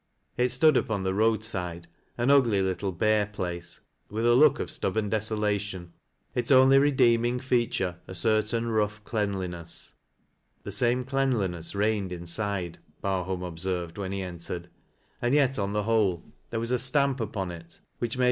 It stood upon the roadside, an ug]y little bare place, with a look of stubborn desolation, i^s only redeemins feature a certain rough cleanliness. The same cleanxinese reigned inside, Earholm observed when he entered ; and yet on the whole there was a stan p upon it whicli mads 2 ■» 34 TEAT LASS LO Wins' Hi.